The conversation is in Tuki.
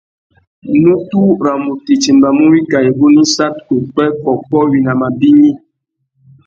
Nutu râ mutu i timbamú wikā igunú issat, upwê, kôkô, winama bignï.